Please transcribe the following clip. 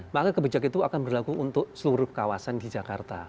maka kebijakan itu akan berlaku untuk seluruh kawasan di jakarta